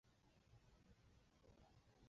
海心庙则迁到区内落山道一带。